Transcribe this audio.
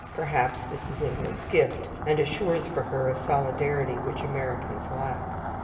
Perhaps this is England's gift, and insures for her a solidarity which Americans lack.